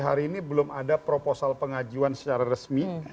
hari ini belum ada proposal pengajuan secara resmi